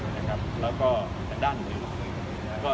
และก็อันด้านหนึ่ง